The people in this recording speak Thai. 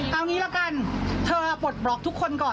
เอางี้ละกันเธอปลดบล็อกทุกคนก่อน